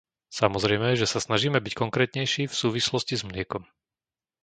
Samozrejme, že sa snažíme byť konkrétnejší v súvislosti s mliekom.